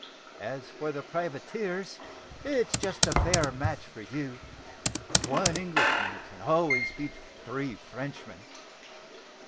As for the privateers, it's just a fair match for you one Englishman can always beat three Frenchmen.